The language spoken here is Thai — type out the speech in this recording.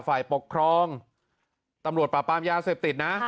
ฝ่ายปกครองตำรวจปราบปรามยาเสพติดนะ